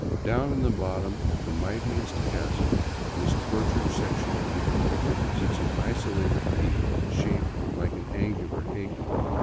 Down in the bottom of the mightiest chasm of this tortured section of the earth sits an isolated peak shaped like art' angular hay cock.